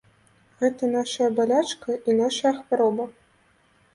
Гэта нашая балячка і нашая хвароба.